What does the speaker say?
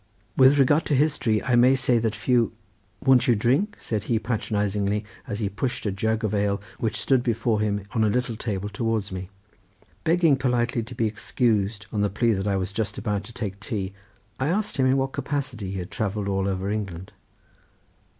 With regard to history I may say that few—. Won't you drink?" said he, patronizingly, as he pushed a jug of ale which stood before him on a little table towards me. Begging politely to be excused on the plea that I was just about to take tea, I asked him in what capacity he had travelled all over England.